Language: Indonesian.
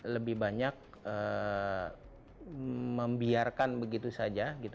lebih banyak membiarkan begitu saja gitu